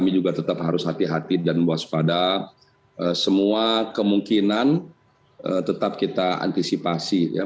kami juga tetap harus hati hati dan waspada semua kemungkinan tetap kita antisipasi ya